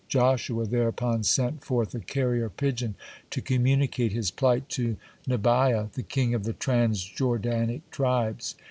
Joshua thereupon sent forth a carrier pigeon to communicate his plight to Nabiah, the king of the trans Jordanic tribes.